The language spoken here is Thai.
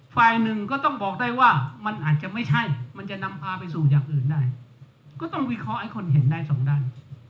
ฝ่ายหนึ่งก็ต้องบอกได้ว่ามันอาจจะไม่ใช่มันจะนำพาไปสู่อย่างอื่นได้ก็ต้องวิเคราะห์ให้คนเห็นได้สองด้าน